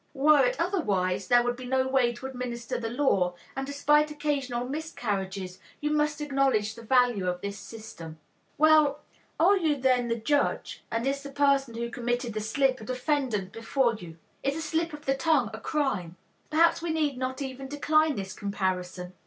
Were it otherwise, there would be no way to administer the law, and despite occasional miscarriages you must acknowledge the value of this system. Well, are you then the judge, and is the person who committed the slip a defendant before you? Is a slip of the tongue a crime? Perhaps we need not even decline this comparison.